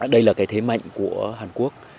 đây là thế mạnh của hàn quốc